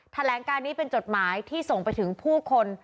แถลงการนี้เป็นจดหมายที่ส่งไปถึงผู้คน